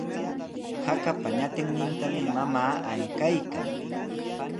Hakapa ñatinnintami mamaa ankaykan.